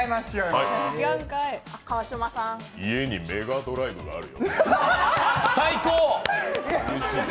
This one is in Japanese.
家にメガドライブがあるよ。